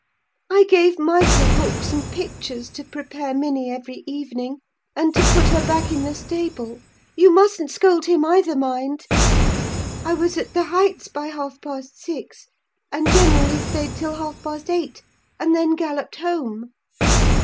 I gave Michael books and pictures to prepare Minny every evening, and to put her back in the stable: you mustn't scold him either, mind. I was at the Heights by half past six, and generally stayed till half past eight, and then galloped home.